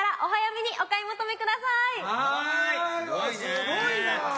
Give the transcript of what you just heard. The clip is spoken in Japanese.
すごいなぁ。